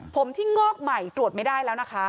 ผมที่งอกใหม่ตรวจไม่ได้แล้วนะคะ